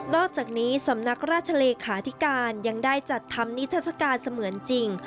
อกจากนี้สำนักราชเลขาธิการยังได้จัดทำนิทัศกาลเสมือนจริง